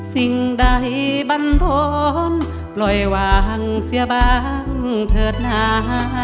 สิ่งใดบันทนปล่อยวางเสียบางเถิดหนา